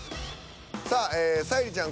さあええ沙莉ちゃん